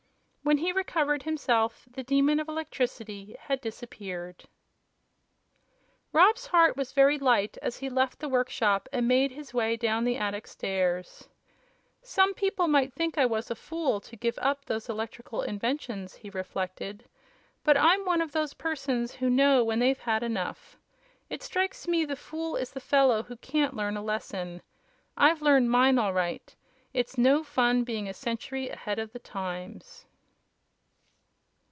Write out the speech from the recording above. When he recovered himself the Demon of Electricity had disappeared. Rob's heart was very light as he left the workshop and made his way down the attic stairs. "Some people might think I was a fool to give up those electrical inventions," he reflected; "but I'm one of those persons who know when they've had enough. It strikes me the fool is the fellow who can't learn a lesson. I've learned mine, all right. It's no fun being a century ahead of the times!"